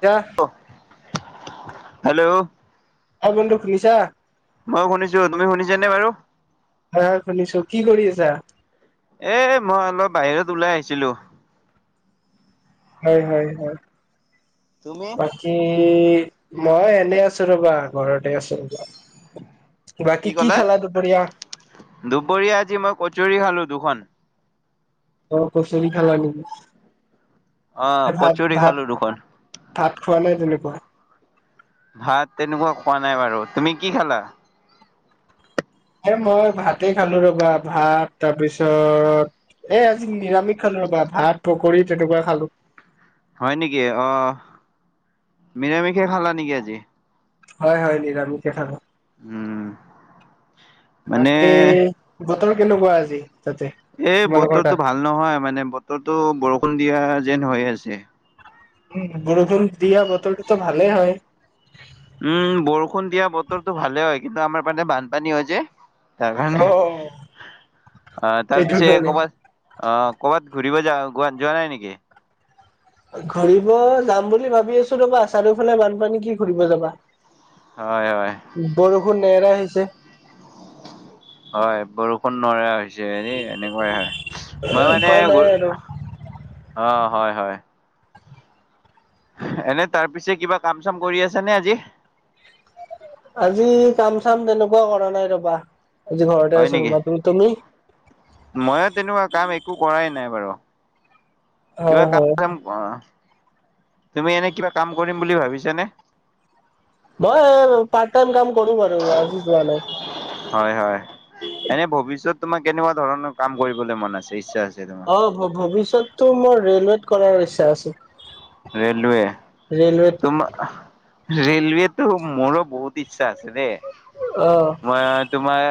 দিয়া। হে'ল্ল' অ বন্ধু শুনিছা? মই শুনিছো, তুমি শুনিছানে বাৰু? হয়, হয়, শুনিছো কি কৰি আছা? এ মই অলপ বাহিৰত ওলাই আহিছিলো। হয়, হয়, হয়, তুমি? কি মই এনেই আছো ৰবা- ঘৰতে আছো বা বাকী কি খালা দুপৰীয়া? দুপৰীয়া আজি মই কচৰি খালো দুখন। অ', কচুৰী খালা নি অ ভাত কচৰি ভাত। খালো দুখন ভাত খোৱা নাই তেনেকুৱা? ভাত তেনেকুৱা খোৱা নাই বাৰু, তুমি কি খালা? এ, মই ভাতেই খালো ৰবা, ভাত তাৰপিছত এ আজি নিৰামিষ খালো ৰবা ভাত পকৰী তেনেকুৱা খালো। হয় নেকি অ, নিৰামিষে খালা নেকি আজি? হয়, হয়, নিৰামিষে খালো। উম, মানে বাকী, বতৰ কেনেকুৱা আজি তাতে? এই তোমালোকৰ তাত? বতৰটো ভাল নহয় মানে বতৰটো বৰষুণ দিয়া যেন হৈ আছে। উ, বৰষুণ দিয়া বতৰটোটো ভালেই হয়। উম, বৰষুণ দিয়া বতৰটো ভালে হয়। কিন্তু আমাৰ মানে বানপানী হয় যে। তাৰ কাৰণে, অ আহ তাৰ সেইটো পিছ কাৰণে ক'বাত অ', ক'ৰবাত ঘূৰিব য যোৱা নাই নেকি? ঘুৰিব যাম বুলি ভাবি আছো ৰবা, চাৰিওফালে বানপানী কি ঘুৰিব যাবা হয়, হয়। বৰষুণ নেহৰা হৈছে। হয়, বৰষুণ নোৱাৰা হৈছে এই এনেকুৱাই হয় এ মই মানে উপায় নাই আৰু অ', হয়, হয়, এনে, তাৰ পিছে কিবা কাম চাম কৰি আছা নে আজি আজি, কাম চাম তেনেকুৱা কৰা নাই ৰবা, আজি ঘৰতে আছো ৰবা তুমি? ময়ো তেনেকুৱা কাম একো কৰাই নাই বাৰু কিবা হয় হয় কাম অ, তুমি এনে কিবা কাম কৰিম বুলি ভাবিছা নে মই, পাৰ্ট টাইম কাম কৰো বাৰু আজি যোৱা নাই হয়, হয়, এনে ভৱিষ্যত তোমাক কেনেকুৱা ধৰণৰ কাম কৰিবলৈ মন আছে ইচ্ছা আছে তোমাৰ? অ', ভৱিষ্যততো মোৰ ৰে'লৱেত কৰাৰ ইচ্ছা আছে। ৰেলৱে ৰেলৱেত তোম ৰেলৱেতো, মোৰো বহুত ইচ্ছা আছে দেই। অ', মই তোমাৰ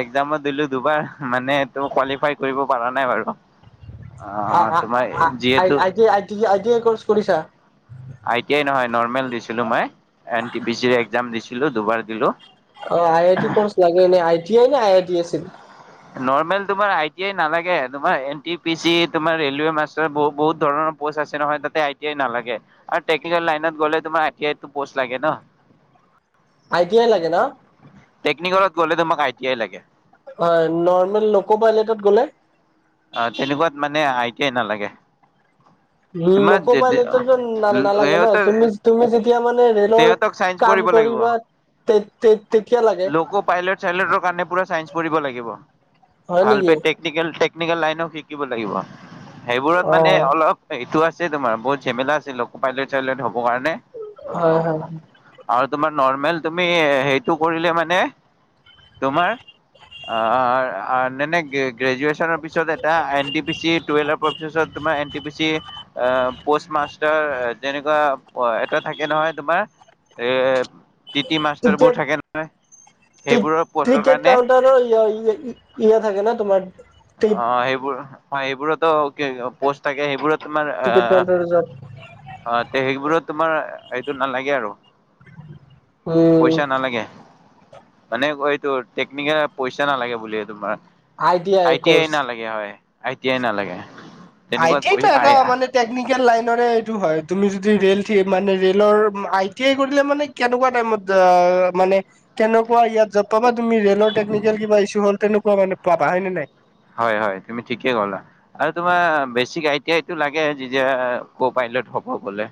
একজামো দিলো দুবাৰ, মানে, ত কোৱালিফাই কৰিব পাৰা নাই বাৰু অ', তোমাৰ আ, আ, যিহেতু ইটি আইটি আইটিয়াই কৰ্চ কৰিছা? আই টি আই নহয় নৰ্মেল দিছিলোঁ মই, এন টি পি চিৰ এক্সাম দিছিলোঁ দুবাৰ দিলোঁ। অ', ই আই টি কৰ্চ লাগে এনে আই টি আই নে আই আই টি আছিল। নৰ্মেল, তোমাৰ আই টি আই নালাগে তোমাৰ এন টি পি চি তোমাৰ ৰেলৱে মাষ্টাৰ বহুত ধৰণৰ পষ্ট আছে নহয়, তাতে আইটিয়াই নালাগে আৰু টেকনিকেল লাইনত গ'লে তোমাৰ আইটিয়াটো পষ্ট লাগে ন। আইটি আই লাগে ন? টেকিনিকেলত গ'লে তোমাক আইটি আই লাগে। হয়, নৰ্মেল লকো পাইলেটত গ'লে? অ' তেনেকুৱাত মানে আই টি আই নালাগে। তোমাৰ লোক পাইলোটত ন' নালাগে ন'? সিহঁতৰ তুমি তুমি যেতিয়া মানে ৰেলৰ সিহঁতক চাইন্স কাম পঢ়িব লাগিব। কৰিবা তে তে তেকিয়া লাগে? চেইলেটৰ কাৰনে পুৰা চাইন্স পঢ়িব লাগিব। হয় নেকি? ভাল্পে টেকনিকেল টেক টেকনিকেল লাইনো শিকিব লাগিব, সেইবোৰত মানে অ', অলপ এইটো আছে তোমাৰ বহুত ঝেমেলা আছে, লোক'পাইলট চাইলট হ'ব কাৰণে অ', হয় হয় অ'। আৰু তোমাৰ নৰ্মেল তুমি সেইটো কৰিলে মানে তোমাৰ অ' নে গ্ৰেজুৱেচনৰ পিছত তাৰিছত এটা এনট পি চি টৱেলাৰ পফিচছত তোমাৰ এনটি পি চি আহ, পষ্ট মাষ্টাৰ তেনেকুৱা এটা থাকে নহয় তোমাৰ? এ টি টি মাষ্টাৰবোৰ তেতিয়া থাকে নহয় তে তেতিয়া সেইবোৰৰ পষ্টৰ ক্ৰিকেট কাৰণে কাউণ্টাৰে ইয়া থাকে ন' তোমাৰ অ' টিকেট সেইবোৰ অ' সেইবোৰতো কি পোষ্ট থাকে সেইবোৰত তোমাৰ আ কাউণ্টাৰ জব অ' তে সেইবোৰত তোমাৰ সেইটো নালাগে আৰু। উম পইচা নালাগে। মানে এইটো টেকনিকেল পইচা নালাগে বুলি এই তোমাৰ। আই টি আই নালাগে হয়। আই টি আই নালাগে। আই তেনেকুৱা টি পই আইটো আই এটা মানে টেকনিকেল লাইনৰে এইটো হয়, তুমি যদি ৰেল থিয় মানে ৰেলৰ আই টি আই কৰিলে মানে কেনেকুৱা টাইমত আ, মানে কেনেকুৱা ইয়াত পাবা তুমি ৰেল টেকনিকেল কিবা ইছু হ'ল তেনেকুৱান পাবা হয় নে নাই? হয় হয় তুমি ঠিকেই কলা। আৰু তোমাৰ বেচিক আই টি আইটো লাগে যে ক' পাইলট হ'ব বোলে।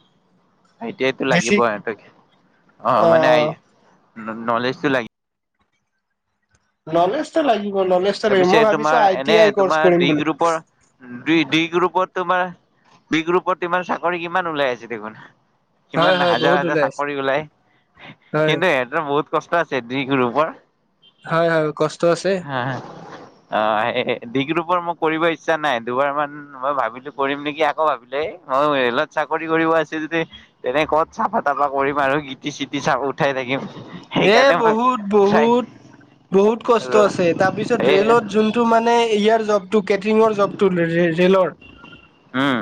[inaudible] আই টি আইটো বেছি লাগিব, এতে অ' মানে নলেজটো লাগিব। নলেজটো লাগিব নলেজ লাগিব। তাৰপিছে মই তোমাৰ ভাবিছোঁ আই টি আই কৰ্চ কৰিম বুলি। বি ডি গ্ৰুপত তোমাৰ ডি গ্ৰুপত তোমাৰ চাকৰি কিমান ওলাই আছে দেখোন। হয় কিমান হয় হাজাৰ বহুত হাজাৰ ওলাইছে চাকৰি ওলাই হয় কিন্তু বহুত কষ্ট আছে ডি গ্ৰুপৰ। হয় হয় কষ্ট আছে। হে, হে। আ, ডি গ্ৰুপৰ মই কৰিব ইচ্ছা নাই। দুবাৰ মান মই ভাবিলো কৰিম নেকি আকৌ ভাবিলো মই ৰেলত চাকৰি কৰিব আছোঁ যদি তেনে ক'ত চাফা তাফা কৰিম আৰু গিটি চিতি চাক উঠাই থাকিম। এ, সেইকাৰণে মই বহুত চাই বহুত বহুত কষ্ট আৰু আছে। তাৰপিছত তাৰিছত এই ৰেলত যোনটো মানে ইয়াৰ জবটো, কেটৰিঙৰ জবটো ৰেলৰ উম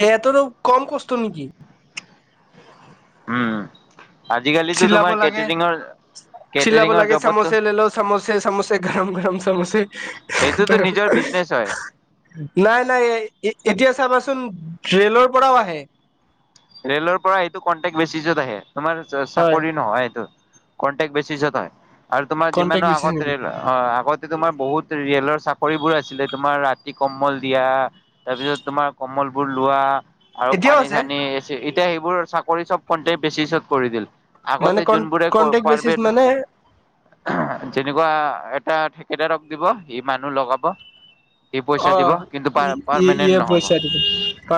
সিহঁতৰো কম কষ্ট নেকি। উম। আজিকালিতো চিলাব তোমাৰ লাগে কেটাৰিঙৰ চিলাব কেটাৰিঙৰ লাগে, জবতো চাম'চে লেল' চাম'চে, গৰম গৰম চাম'চে। সেইটোতো নিজৰ বিজনেচ হয় [unintelligible] নাই নাই, এতিয়া চাবাচোন ৰেলৰপৰাও আহে। ৰেলৰপৰা এইটো কনটেক বেচিছত আহে, তোমাৰ হয় চাকৰি নহয় এইটো। কনটেক্ট বেচিচত হয় আৰু তোমাৰ কন্টেক্ট যিমানো বেচিছ আগত নেকি ৰেল অ' আগতে তোমাৰ বহুত ৰেলৰ চাকৰিবোৰ আছিলে তোমাৰ ৰাতি কম্বল দিয়া তাৰপিছত তোমাৰ কমলবোৰ লোৱা। আৰু এতিয়াও পানী আছে চানী, এতিয়া সেইবোৰ চাকৰি চব কট্ৰেক্ট বেচিছত কৰি দিল। মানে আগতে কন জোনবোৰে কন্টেক্ট বেচিছ পাৰবেট মানে যেনেকুৱা এটা ঠেকেদাৰক দিব সি মানুহ লগাব। সি পইচা অ দিব, কিন্তু ইয়ে পাৰমানেণ্ট পইচা দিব নহব।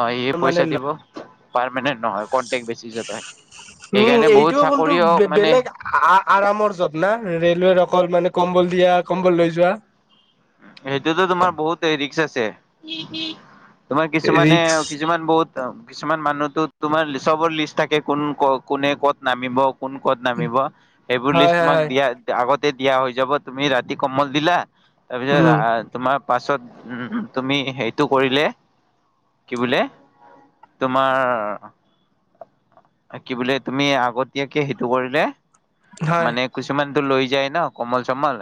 অ'ইয়ে পইচা পাৰমানেণ্ট দিব। পাৰমানেন্ট নহয়, কনটেক বেচিচত হয় সেইকাৰণে বহুত চাকৰিও মানে আ- আৰামৰ যব না ৰেলৱেৰ অকল মানে কম্বল দিয়া কম্বল লৈ যোৱা। সেইটোতো তোমাৰ বহুত ৰিক্স আছে, তোমাৰ কিছুমানে ৰিক্স কিছুমান বহুত কিছুমান মানুহতো তোমাৰ চবৰ লিষ্ট থাকে, কোন ক কোনে ক'ত নামিব। কোন ক'ত নামিব, সেইবোৰ হয় লিষ্ট হয় তোমাক হয় দিয়া আগতে দিয়া হৈ যাব, তুমি ৰাতি কম্বল দিলা উম তাৰপিছত তোমাৰ পাছত উ, তুমি সেইটো কৰিলে কি বোলে? তোমাৰ কি বোলে? তুমি আগতীয়াকে সেইটো কৰিলে হয় মানে কিছুমানতো লৈ যায় ন কম্বল চম্বল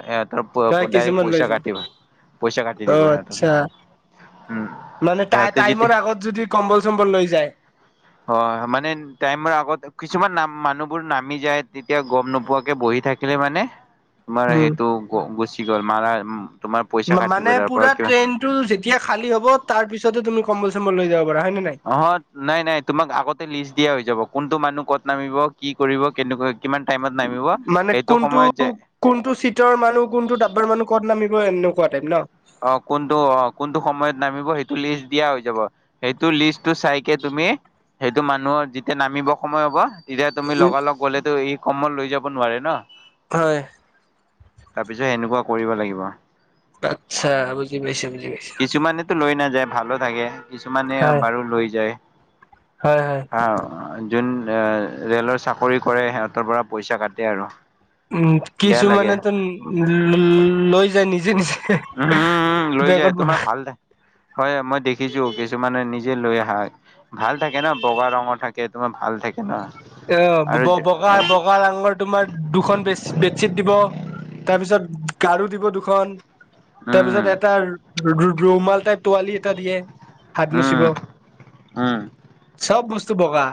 হয় সিহঁতৰ ডাইৰেক্ট কিছুমান লৈ পইচা যাম কাটি [unintelligible] পইচা কাটি অ দিব সিহঁতৰে। আচ্ছা উম, মানে সিহঁতে যেতিয়া টাইমৰ আগত যদি কম্বল-চম্বল লৈ যায় [inaudible] হয়, মানে টাইমৰ আগত কিছুমান নাম- মানুহবোৰ নামি যায়, তেতিয়া গম নোপোৱাকে বহি থাকিলে মানে তোমাৰ উম। সেইটো গুচি গ'ল, মাৰা উ, তোমাৰ পইচা কাটিব মানে তাৰ পৰা পুৰা কিবা ট্ৰেইনতটো যেতিয়া খালী হ'ব তাৰ পিছতে তুমি কম্বল চম্বল লৈ যাব পাৰা, হয় নে নাই? অ', নাই নাই তোমাক আগতে লিষ্ট দিয়া হৈ যাব, কোনটো মানুহ ক'ত নামিব? কি কৰিব? কেনেকুৱা কিমান টাইমত নামিব? মানে সেইটো কোনটো সময়ত যে কোনটো চিটৰ মানুহ, কোনটো ডাব্বাৰ মানুহ কত নামিব এনেকুৱা টাইপ ন? অ', কোনটো অ' কোনটো সময়ত নামিব সেইটো লিষ্ট দিয়া হৈ যাব। সেইটো লিষ্টটো চাই কে তুমি সেইটো মানুহৰ যেতিয়া নামিব সময় হ'ব তেতিয়া তুমি উম লগা লগ কলেতো ই কম্বল লৈ যাব নোৱাৰে ন। হয়। তাৰপিছত এনেকুৱা কৰিব লাগিব। আচ্ছা, বুজি পাইছোঁ, বুজি পাইছোঁ। কিছুমানেতো লৈ নাযায়, ভালো থাকে। কিছুমানে হয় বাৰু লৈ যায়। হয়, হয়। অ', ‌ যোন ৰেলৰ চাকৰি কৰে সিহঁতৰ পৰা পইচা কাটে আৰু। উম, বেয়া লাগে কিছুমানেতো লৈ যায় নিজে নিজে। উম, উম লৈ বেগত যায় তোমাৰ ভাল দে হয়, মই দেখিছোঁ, কিছুমানে নিজে লৈ আহা। ভাল থাকে ন? বগা ৰঙৰ থাকে, তোমাৰ ভাল থাকে। [unintelligible] অ', আৰু বগা- বগা ৰঙৰ তোমাৰ দুখন বে-বেডশিট দিব, তাৰপিছত গাৰু দিব দুখন। তাৰপিছত উম এটা ৰুমাল টাইপ টোৱালি। দিয়ে, হাত উম মুচিব, উম চব বস্তু বগা।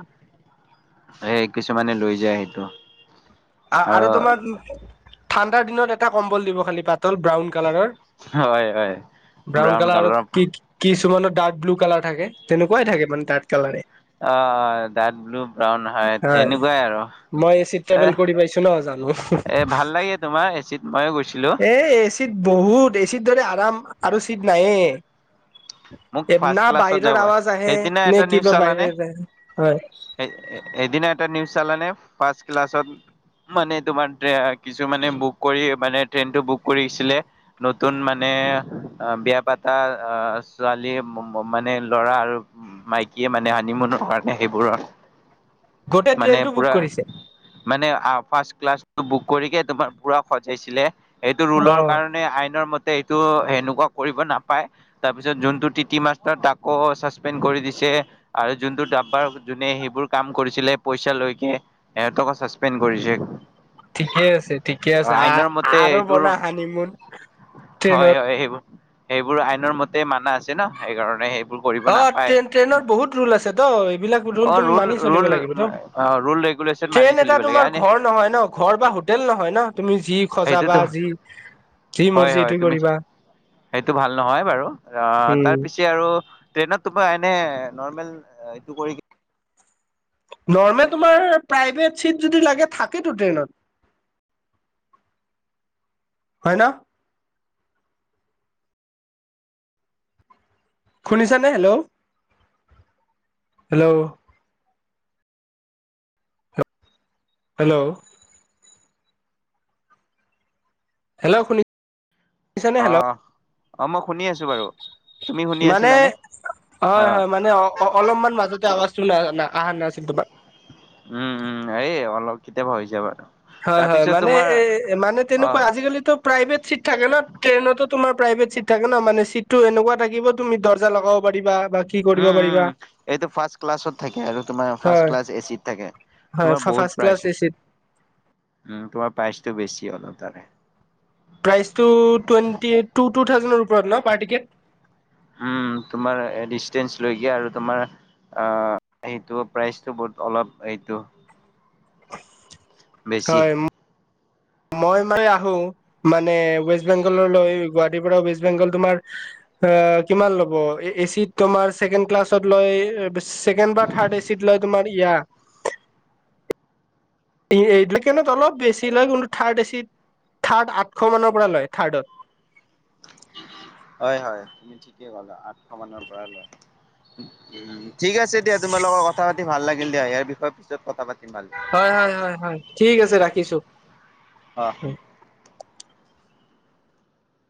সেই কিছুমানে লৈ যায় সেইটো। অ', আৰু তোমাৰ ঠাণ্ডাৰ দিনত এটা কম্বল দিব খালি পাতল ব্ৰাউন কালাৰৰ। হয় হয় ব্ৰাউন কালাৰ আৰু কি? কিছুমানৰ ডাৰ্ক ব্লু কালাৰ থাকে, তেনেকুৱাই থাকে মানে ডাৰ্ক কালাৰে। অ', অ', ডাৰ্ক ব্লু, ব্ৰাউন, হোৱাইট হয় সেনেকুৱাই আৰু মই এচিত এ। ট্ৰেভেল কৰি পাইছোঁ ন জানো। এ ভাল লাগে তোমাৰ এচিত ময়োঁ গৈছোঁ। এ এচিত বহুত, এচিত দৰে আৰাম আৰু চিট মোক নায়েই। ফাৰ্ষ্ট না ক্লাছত যাব বাহিৰৰ আৱাজ আহে, সেইদিনা নে কিবা বাহিৰ [unintelligible] এ-এদিনা এটা নিউজ চালানে? ফাৰ্ষ্ট ক্লাছত মানে তোমাৰ কিছুমানে বুক কৰি, মানে ট্ৰেইনটো বুক কৰিছিলে নতুন মানে, বিয়া পাতা আহ ছোৱালীয়ে মানে ল'ৰা আৰু মাইকীয়ে মানে হানিমুনৰ কাৰণে সেইবোৰৰ গোটেই মানে ট্ৰেইনটো বুক পুৰা কৰিছে মানে ফাৰ্ষ্ট ক্লাছ বুক কৰিকে তোমাৰ পুৰা সজাইছিলে। এইটো ৰুলৰ অ কাৰণে আইনৰ মতে এইটো সেনেকুৱা কৰিব নাপায়। তাৰপিছত যোনটো টি, টি মাষ্টাৰ তাকো ছাছপেণ্ড কৰি দিছে। আৰু যোনটো ডাব্বাৰ যোনে সেইবোৰ কাম কৰিছিলে পইচা লৈকে এহতটকো চাচপেণ্ড কৰিছে ঠিকে আছে, ঠিকে আছে আ আইনৰ মতে আৰু এইটোৰ বনা হনিমুন হয় ট্ৰেইনত হয় সেইবোৰ সেইবোৰ আইনৰ মতে মানা আছে ন সেইকাৰণে সেইবোৰ কৰিব অ', নাপায় ট্ৰেইন ট্ৰেইনত বহুত ৰুল আছে ত এইবিলাক ৰুল তুমি মানি চলিব লাগিব ত' অ', ৰুল ৰেগুলেশ্যন মানি ট্ৰেইন এটা চলিব লাগে তোমাৰ হয়নে ঘৰ নহয় ন ঘৰ বা হোটেল নহয় ন তুমি যি সেইটোতো সজাবা যি [inaudible] যি হয় মৰ্জি হয় এইটোৱে তুমি কৰিবা। সেইটো ভাল নহয় বাৰু আহ উম তাৰ পিছে আৰু ট্ৰেইনত তো এনে নৰ্মেল এইটো কৰি নৰ্মেল তোমাৰ প্ৰাইভেট চিট যদি লাগে থাকেতো ট্ৰেইনত হয় ন। শুনিছানে হেল্ল' হেল্ল'। হেল্ল'। হেল্ল' শুনি অ', অ', মই শুনি আছোঁ বাৰু তুমি শুনি আছিলানে? অ', হয়, হয় মানে অ', অলপমান মাজতে আৱাজটো ন অহা নাছিল তোমাৰ উম, উম এই অলপ কেতিয়াবা হৈ যায় বাৰু হয়, হয় তাৰপিছত মানে তোমাৰ এ মানে অ তেনেকুৱা আজিকালিতো প্ৰাইভেট চিট থাকে ন ট্ৰেইনতো তোমাৰ প্ৰাইভেট চিট থাকে ন মানে চিটটো এনেকুৱা থাকিব তুমি দৰ্জা লগাব পাৰিবা বা কি কৰিব উম, পাৰিবা উম এইটো ফাৰ্ষ্ট ক্লাছত থাকে আৰু তোমাৰ ফাৰ্ষ্ট হয় ক্লাছ এচি ত থাকে হয় তোমাৰ ফাৰ্ষ্ট বহুত ক্লাছ প্ৰাইছে এ চিত উ তোমাৰ প্ৰাইচটো বেছি অলপ তাৰে প্ৰাইচ টো টুৱেণ্টি টু টু থাউজেণ্ডৰ ওপৰত ন পাৰ টিকেট। উম, তোমাৰ ডিস্টেঞ্চ লৈকে আৰু তোমাৰ সেইটো প্ৰাইচটো বহুত অলপ এইটো বেছি। হয় মই মানে আহো মানে ৱেষ্ট বেংগললৈ গুৱাহাটীৰ পৰা ৱেষ্ট বেংগল তোমাৰ এ কিমান ল'ব এচিত তোমাৰ ছেকেণ্ড ক্লাছত লৈ বেছি ছেকেণ্ড বা থাৰ্ড এ চিত লয় তোমাৰ ইয়া এই এইবিলাক নত অলপ বেছি লয় কিন্তু থাৰ্ড এচিত থাৰ্ড আঠশমানৰ পৰা লয় থাৰ্ডত হয়, হয় তুমি ঠিকে ক'লা আঠশ মানৰ পৰা লোৱা উম ঠিক আছে দিয়া তোমাৰ লগত কথা পাতি ভাল লাগিল দিয়া ইয়াৰ বিষয়ে পিছত কথা পাতিম আৰু। হয়, হয়, হয়, হয় ঠিক আছে ৰাখিছোঁ। অ'।